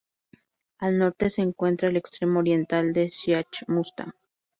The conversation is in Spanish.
Al norte se encuentra el extremo oriental del Siachen Muztagh.